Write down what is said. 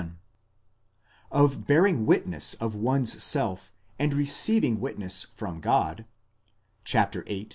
31); of bearing witness of one's self, and receiving witness from God (viii.